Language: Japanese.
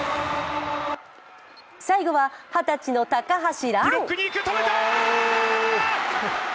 最後は二十歳の高橋藍。